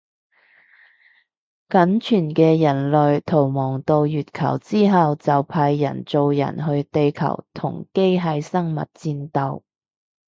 僅存嘅人類逃亡到月球之後就派人造人去地球同機械生物戰鬥